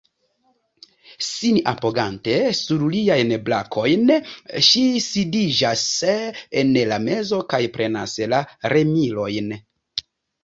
Sin apogante sur liajn brakojn, ŝi sidiĝas en la mezo kaj prenas la remilojn.